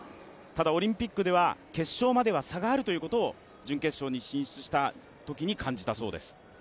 ただオリンピックでは決勝では差があるということを準決勝に進出したときに感じたそうです。